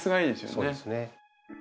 そうですね。